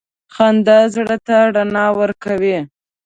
• خندا زړه ته رڼا ورکوي.